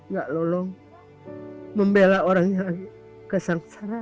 gak lolong membela orang yang kesangsaran